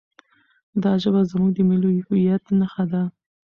دا ژبه زموږ د ملي هویت نښه ده.